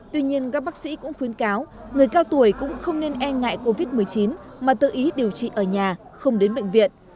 tuy nhiên các bác sĩ cũng khuyến cáo người cao tuổi cũng không nên e ngại covid một mươi chín mà tự ý điều trị ở nhà không đến bệnh viện